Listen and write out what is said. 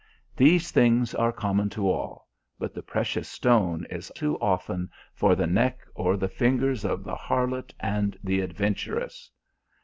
These things are common to all, but the precious stone is too often for the neck or the fingers of the harlot and the adventuress.